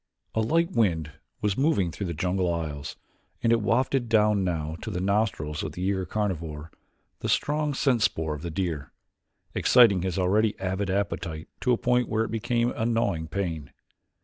A light wind was moving through the jungle aisles, and it wafted down now to the nostrils of the eager carnivore the strong scent spoor of the deer, exciting his already avid appetite to a point where it became a gnawing pain.